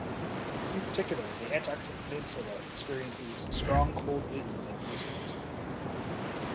In particular, the Antarctic Peninsula experiences strong cold winds and blizzards.